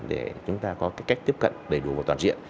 để chúng ta có cái cách tiếp cận đầy đủ và toàn diện